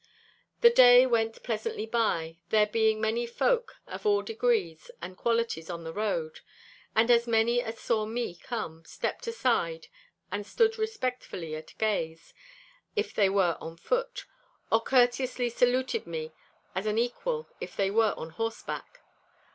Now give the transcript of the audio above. The way went pleasantly by, there being many folk of all degrees and qualities on the road. And as many as saw me come, stepped aside and stood respectfully at gaze, if they were on foot; or courteously saluted me as an equal if they were on horseback.